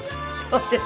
そうです。